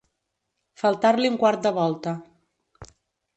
Faltar-li un quart de volta.